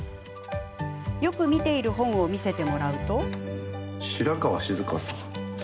よく見ている本を見せてもらうと。